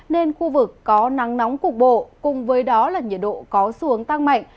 nên khu vực có nắng nóng cục bộ cùng với đó là nhiệt độ có xuống tăng mạnh